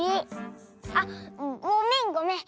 あっごめんごめん。